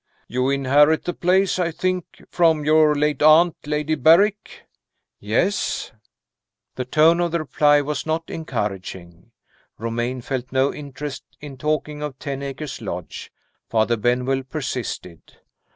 "You inherit the place, I think, from your late aunt, Lady Berrick?" "Yes." The tone of the reply was not encouraging; Romayne felt no interest in talking of Ten Acres Lodge. Father Benwell persisted.